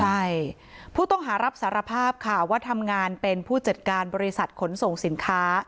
ใช่ผู้ต้องหารับสารภาพค่ะว่าทำงานเป็นผู้จัดการบริษัทขนส่งสินค้า